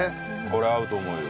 これ合うと思うよ。